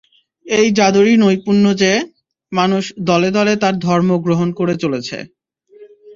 এই জাদুরই নৈপুণ্য যে, মানুষ দলে দলে তার ধর্ম গ্রহণ করে চলেছে।